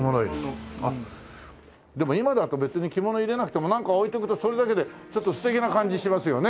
あっでも今だと別に着物入れなくてもなんか置いておくとそれだけでちょっと素敵な感じしますよね。